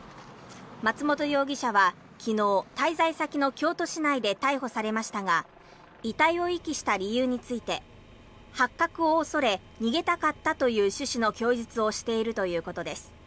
松本容疑者は昨日滞在先の京都市内で逮捕されましたが遺体を遺棄した理由について発覚を恐れ逃げたかったという趣旨の供述をしているということです。